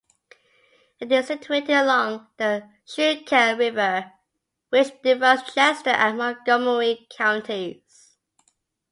It is situated along the Schuylkill River, which divides Chester and Montgomery counties.